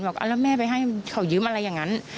แล้วแม่ไปให้เขายืมอะไรอย่างนั้น